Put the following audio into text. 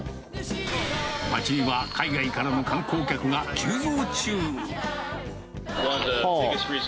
街には海外からの観光客が急増中。